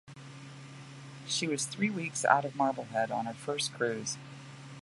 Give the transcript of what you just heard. She was three weeks out of Marblehead on her first cruise.